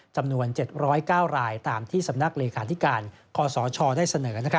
จำนวน๗๐๙รายตามที่สำนักเลขาธิการคศได้เสนอ